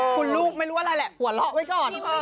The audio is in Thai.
คุณลูกไม่รู้อะไรแหละหัวเราะไว้ก่อน